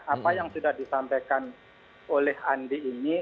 apa yang sudah disampaikan oleh andi ini